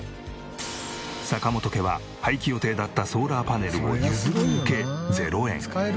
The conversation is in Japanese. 坂本家は廃棄予定だったソーラーパネルを譲り受け。